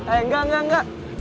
eh enggak enggak enggak